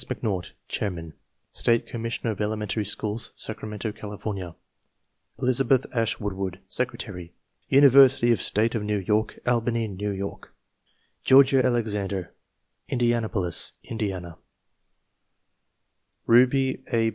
McNaught, Chairman State Commissioner of Elementary Schools, Sacra mento, California Elizabeth Ash Woodward, Secretary University of State of New York, Albany, New York Georgia Alexander, Indianapolis, Indiana Rubye A.